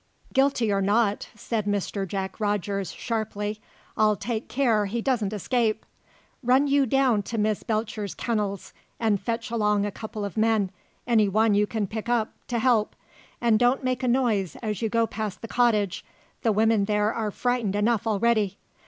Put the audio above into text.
"Guilty or not," said Mr. Jack Rogers, sharply, "I'll take care he doesn't escape. Run you down to Miss Belcher's kennels, and fetch along a couple of men any one you can pick up to help. And don't make a noise as you go past the cottage; the women there are frightened enough already.